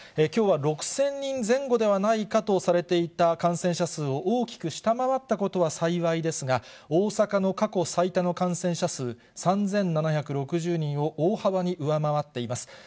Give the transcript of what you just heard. きょうは６０００人前後ではないかとされていた感染者数を大きく下回ったことは幸いですが、大阪の過去最多の感染者数、３７６０人を大幅に上回っています。